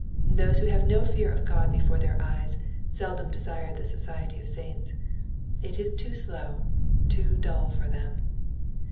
Those who have no fear of God before their eyes seldom desire the society of saints ; it is too slow, too dull for them.